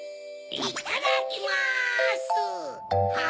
いっただきます！